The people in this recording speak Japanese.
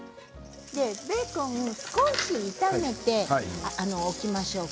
ベーコンを少し炒めておきましょう。